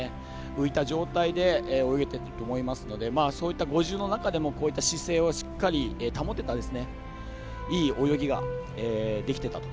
浮いた状態で泳げてたと思いますので５０の中でもこういった姿勢をしっかり保てたいい泳ぎができていたと。